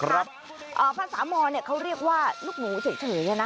ครับอ่าภาษามอนเนี้ยเขาเรียกว่าลูกหนูเฉยเฉยเนี้ยน่ะอ่า